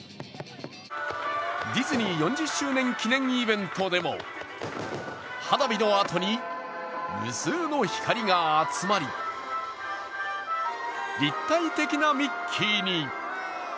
ディズニー４０周年記念イベントでも、花火のあとに無数の光が集まり立体的なミッキーに。